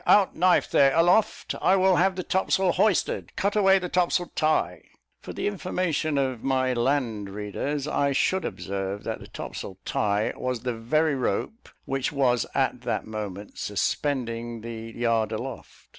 Out knife there, aloft! I will have the topsail hoisted; cut away the topsail tie." For the information of my land readers, I should observe that the topsail tie was the very rope which was at that moment suspending the yard aloft.